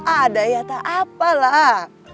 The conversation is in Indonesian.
ada ya tak apalah